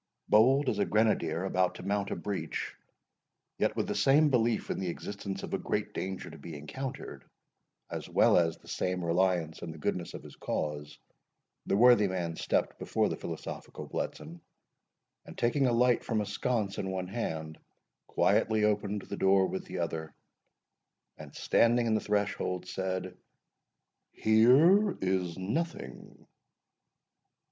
Bold as a grenadier about to mount a breach, yet with the same belief in the existence of a great danger to be encountered, as well as the same reliance in the goodness of his cause, the worthy man stepped before the philosophical Bletson, and taking a light from a sconce in one hand, quietly opened the door with the other, and standing in the threshold, said, "Here is nothing!"